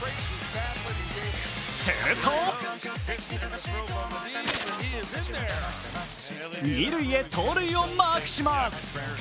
すると二塁へ盗塁をマークします。